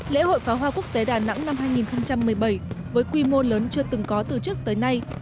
lễ hội pháo hoa quốc tế đà nẵng năm hai nghìn một mươi bảy với quy mô lớn chưa từng có từ trước tới nay